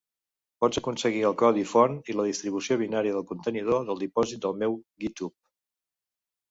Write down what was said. Pots aconseguir el codi font i la distribució binària del contenidor del dipòsit del meu github.